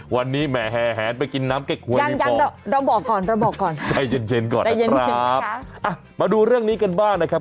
วันนี้แหมแฮนไปกินน้ำเก็บครัวหรือเปล่าใจเย็นก่อนนะครับอ่ะมาดูเรื่องนี้กันบ้างนะครับ